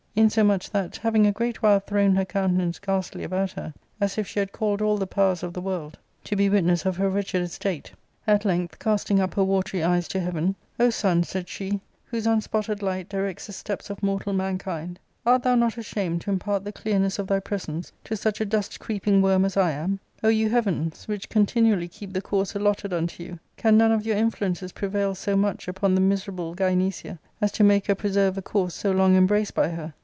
Insomuch, that, having a great while thrown her countenance ghastly about her, as if she had called all the powers of the world to be y 122 ARCADIA.— Book II. witness of her wretched estate, at length casting up her watery eyes to heaven, " O sun," said she, " whose unspotted light directs the steps of mortal mankind, art thou not ashamed to impart the clearness of thy presence to such a dust creeping worm as I am ? O you heavens, which con tinually keep the course allotted unto you, can none of your influences prevail so much upon the miserable Gynecia as to make her preserve a course so long embraced by her